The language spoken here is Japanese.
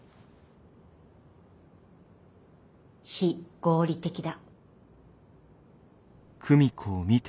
非合理的だ。